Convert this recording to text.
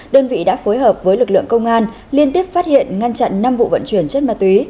đơn vị đã phối hợp với lực lượng công an liên tiếp phát hiện ngăn chặn năm vụ vận chuyển chất ma túy